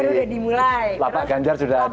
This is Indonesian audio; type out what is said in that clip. lapa ganjar sudah ada